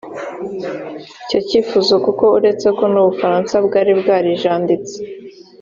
icyo kifuzo kuko uretse ko n u bufaransa bwari bwarijanditse